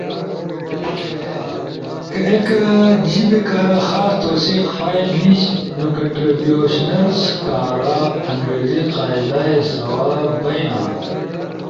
کہ ایک جیبے کارا خاص توثیق فائل نیِش، نو کنٹربیوشنرز کارا انگریزی قاعدا ئے سواں بئینا۔